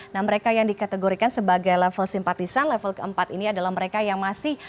nah mereka yang dikategorikan sebagai level simpatisan level keempat ini adalah mereka yang masih